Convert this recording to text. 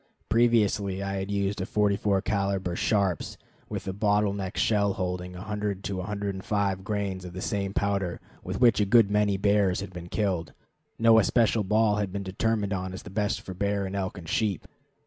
Previously I had used a 44 caliber Sharps, with a bottle neck shell holding 100 to 105 grains of the same powder with which a good many bears had been killed. No especial ball has been determined on as best for bear and elk and sheep.